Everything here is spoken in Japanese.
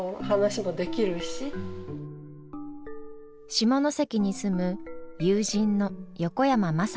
下関に住む友人の横山眞佐子さん。